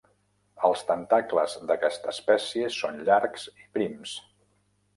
Els tentacles d'aquesta espècie són llargs i prims.